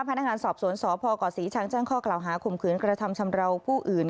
พนักงานสอบสวนสพกศรีชังแจ้งข้อกล่าวหาข่มขืนกระทำชำราวผู้อื่น